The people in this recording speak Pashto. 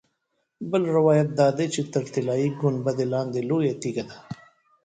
بل روایت دا دی چې تر طلایي ګنبدې لاندې لویه تیږه ده.